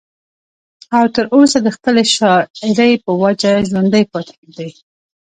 او تر اوسه د خپلې شاعرۍ پۀ وجه ژوندی پاتې دی